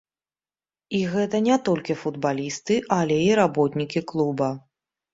І гэта не толькі футбалісты, але і работнікі клуба.